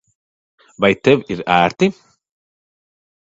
Vai tev ir ērti?